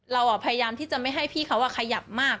เราพยายามที่จะไม่ให้พี่เขาขยับมาก